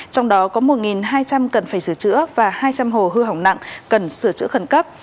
trong đó có một hai trăm linh cần phải sửa chữa và hai trăm linh hồ hư hỏng nặng cần sửa chữa khẩn cấp